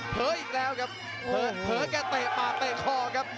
อีกแล้วครับเผลอแกเตะปากเตะคอครับ